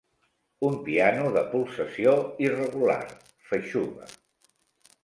Un piano de pulsació irregular, feixuga.